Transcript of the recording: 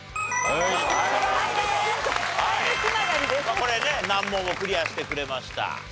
これね難問をクリアしてくれました。